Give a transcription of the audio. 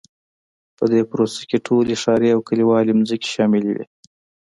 په دې پروسه کې ټولې ښاري او کلیوالي ځمکې شاملې وې.